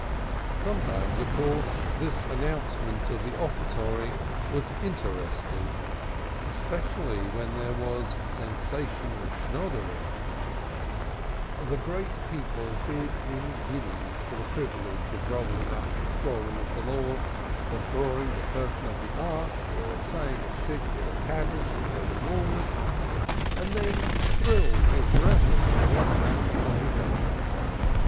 Sometimes, of course, this announcement of the offertory was interesting, especially when there was sensational competition. The great people bade in guineas for the privilege of rolling up the Scroll of the Law or drawing the Curtain of the Ark, or saying a particular Kaddish if they were mourners, and then thrills of reverence went round the congregation.